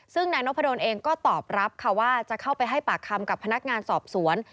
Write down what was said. ซึ่งนายนพดลเองก็ตอบรับค่ะว่าจะเข้าไปให้ปากคำกับพนักงานสอบสวน